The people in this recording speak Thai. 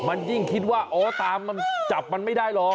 มันยิ่งคิดว่าอ๋อตามมันจับมันไม่ได้หรอก